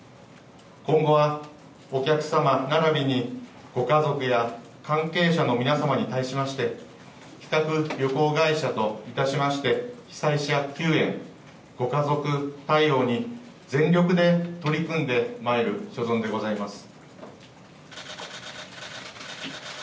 今後はお客様ならびにご家族や関係者の皆様に対しまして、企画旅行会社といたしまして、被災者救援、ご家族対応に全力で取り組んでまいる所存でございます。